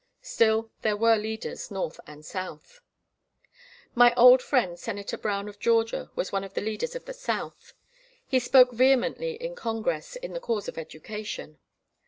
Still there were leaders, North and South. My old friend Senator Brown of Georgia was one of the leaders of the South. He spoke vehemently in Congress in the cause of education.